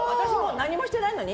何もしてないのに？